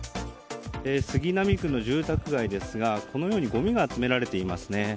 杉並区の住宅街ですがこのようにごみが集められていますね。